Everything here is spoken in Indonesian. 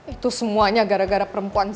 itu semuanya gara gara perempuan